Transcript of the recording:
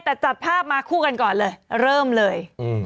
แต่จัดภาพมาคู่กันก่อนเลยเริ่มเลย